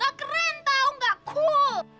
gak keren tau gak cool